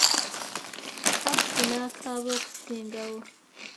Aku n'akaaba okusingawo.